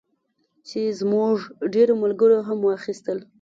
چې زموږ ډېرو ملګرو هم واخیستل.